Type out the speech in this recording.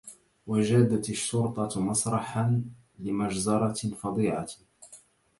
وجدت الشّرطة مسرحا لمجزرة فظيعة.